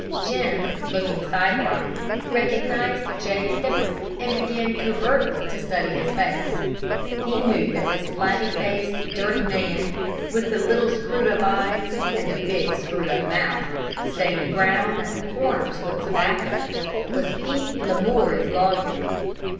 Jim, looking sidewise, recognized Jake Hibbard, and began covertly to study his face. He knew that this flabby faced, dirty man, with the little screwed up eyes, and the big screwed up mouth, stained brown at the corners with tobacco, was Pete Lamoury's lawyer.